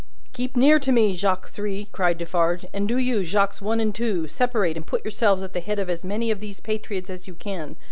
"Keep near to me, Jacques Three," cried Defarge; "and do you, Jacques One and Two, separate and put yourselves at the head of as many of these patriots as you can.